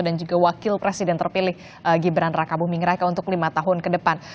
dan juga wakil presiden terpilih gibran raka buming raka untuk lima tahun ke depan